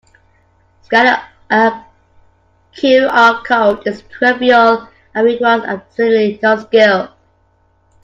Scanning a QR code is trivial and requires absolutely no skill.